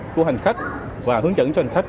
của hành khách và hướng dẫn cho hành khách